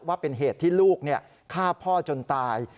ว่าเป็นเหตุที่ลูกฆ่าพ่อจนตาย